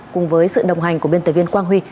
cùng với sự đồng hành của biên tập viên quang huy